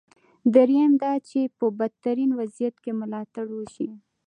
درېیم دا چې په بدترین وضعیت کې ملاتړ وشي.